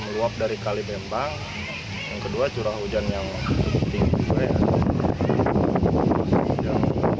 luap dari kali bembang yang kedua curah hujan yang tinggi juga ya